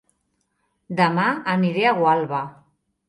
Dema aniré a Gualba